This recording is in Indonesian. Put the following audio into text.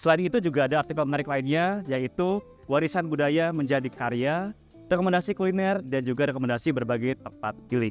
selain itu juga ada artikel menarik lainnya yaitu warisan budaya menjadi karya rekomendasi kuliner dan juga rekomendasi berbagai tempat giling